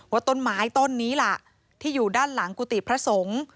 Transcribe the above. ว่าต้นไม้ต้นนี้ล่ะที่อยู่ด้านหลังกุฏิพระสงฆ์